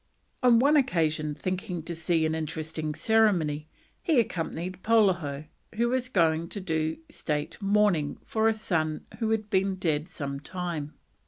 On one occasion, thinking to see an interesting ceremony, he accompanied Polaho, who was going to do state mourning for a son who had been dead some time.